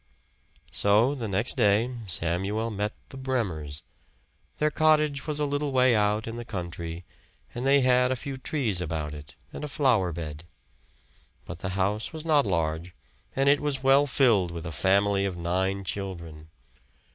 So the next day Samuel met the Bremers. Their cottage was a little way out in the country, and they had a few trees about it and a flower bed. But the house was not large, and it was well filled with a family of nine children.